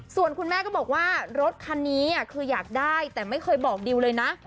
ส่วนคุณแม่ก็บอกว่ารถคันนี้คืออยากได้แต่ไม่เคยบอกดิวเลยนะ